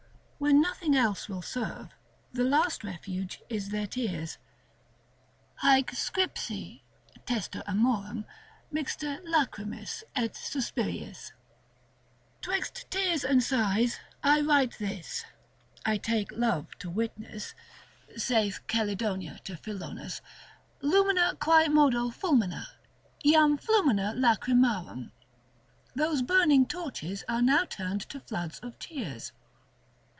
When nothing else will serve, the last refuge is their tears. Haec scripsi (testor amorem) mixta lachrymis et suspiriis, 'twixt tears and sighs, I write this (I take love to witness), saith Chelidonia to Philonius. Lumina quae modo fulmina, jam flumina lachrymarum, those burning torches are now turned to floods of tears.